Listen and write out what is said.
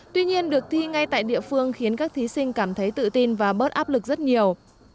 tuy nhiên được thi ngay tại địa phương khiến các thí sinh cảm thấy tự tin và bớt áp lực rất nhiều